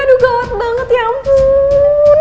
aduh good banget ya ampun